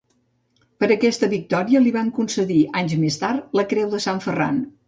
Per aquesta victòria li van concedir anys més tard la Creu de Sant Ferran.